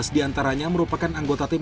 tiga belas diantaranya merupakan anggota tim